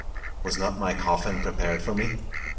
Was not my coffin prepared for me?